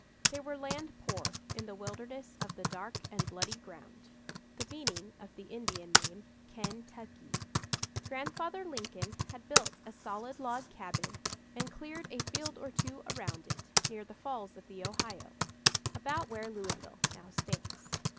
They were "land poor" in the wilderness of the "Dark and Bloody Ground" the meaning of the Indian name, "Ken tuc kee." Grandfather Lincoln had built a solid log cabin and cleared a field or two around it, near the Falls of the Ohio, about where Louisville now stands.